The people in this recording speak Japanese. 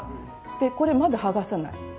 これまだ剥がさない。